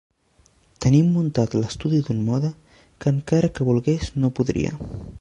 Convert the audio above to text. Tenim muntat l'estudi d'un mode que encare que volgués no podria.